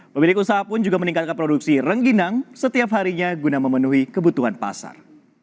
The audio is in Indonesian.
pemilik usaha pun juga meningkatkan produksi rengginang setiap harinya guna memenuhi kebutuhan pasar